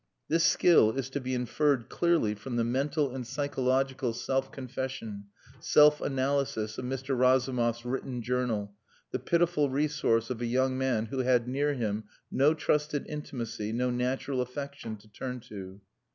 This skill is to be inferred clearly from the mental and psychological self confession, self analysis of Mr. Razumov's written journal the pitiful resource of a young man who had near him no trusted intimacy, no natural affection to turn to.